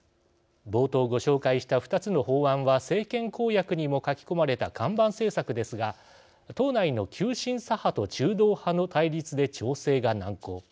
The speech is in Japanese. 冒頭、ご紹介した２つの法案は政権公約にも書き込まれた看板政策ですが党内の急進左派と中道派の対立で調整が難航。